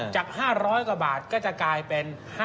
จาก๕๐๐กว่าบาทก็จะกลายเป็น๕๐